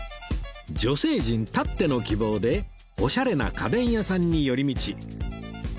女性陣たっての希望でオシャレな家電屋さんに寄り道